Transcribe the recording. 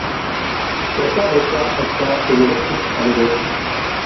كىرپە بولسا ئاستا ئۆمىلەپ كېتىپ قالىدۇ.